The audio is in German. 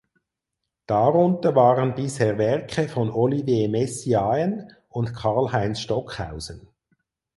Darunter waren bisher Werke von Olivier Messiaen und Karlheinz Stockhausen.